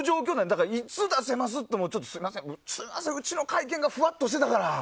だから、いつ出せますというのもちょっとすみませんうちの会見がふわっとしてたから。